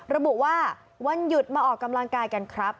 ระบุว่าวันหยุดมาออกกำลังกายกันครับ